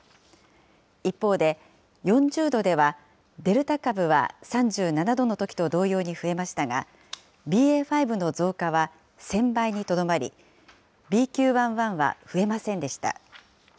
一方で、４０度ではデルタ株は３７度のときと同様に増えましたが、ＢＡ．５の増加は１０００倍にとどまり、ＢＱ．１．１は増えませんでした。